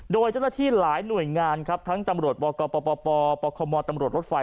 โดยเจ้าหน้าที่หลายหน่วยงานครับทั้งตำรวจบกปปคมตำรวจรถไฟ